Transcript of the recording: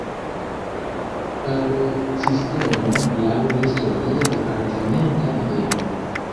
Balotsistemo laŭ listoj je departementa nivelo.